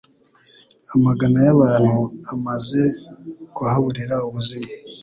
amagana y'abantu amaze kuhaburira ubuzima